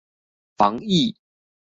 防疫